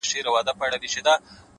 o له څو خوښيو او دردو راهيسي؛